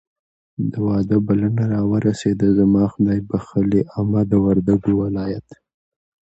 د واده بلنه راورسېده. زما خدایبښلې عمه د وردګو ولایت